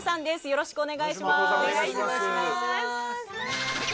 よろしくお願いします